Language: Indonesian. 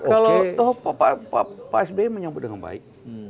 kalau pak sby menyambut dengan baik